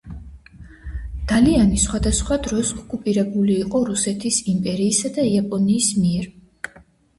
დალიანი სხვადასხვა დროს ოკუპირებული იყო რუსეთის იმპერიისა და იაპონიის მიერ.